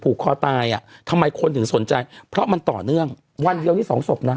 คอตายอ่ะทำไมคนถึงสนใจเพราะมันต่อเนื่องวันเดียวนี่สองศพนะ